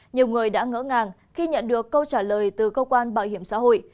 nhiều người đã ngỡ ngàng khi nhận được câu trả lời từ cơ quan bảo hiểm xã hội